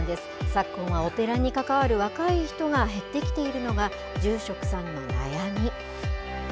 昨今はお寺に関わる若い人が減ってきているのが、住職さんの悩み。